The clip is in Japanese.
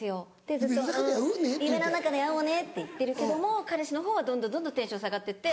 ずっと「夢の中で会おうね」って言ってるけども彼氏の方はどんどんどんどんテンション下がってって。